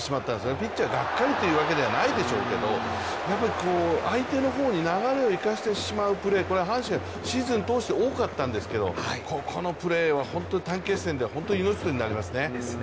ピッチャー、がっかりというわけではないでしょうけど相手の方に流れをいかせてしまうプレー、これは阪神、シーズン通して多かったんですけれども、ここのプレーは短期決戦では本当に命取りになりますね。